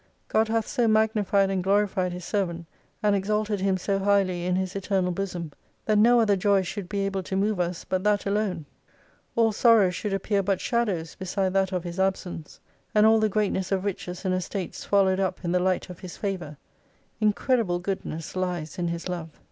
God hath so magnified and glorified His servant, and exalted him so highly in His eternal bosom, that no other joy should be able to move us but that alone. All sorrows should appear but shadows, beside that of His absence, and all the greatness of riches and estates swallowed up in the light of His favour. Incredible Goodness lies in His Love.